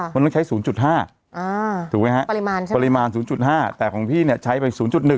มันต้องใช้๐๕ถูกไหมฮะปริมาณ๐๕แต่ของพี่เนี่ยใช้ไป๐๑